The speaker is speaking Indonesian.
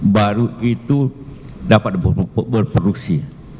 baru itu dapat berproduksi